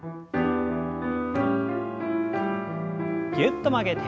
ぎゅっと曲げて。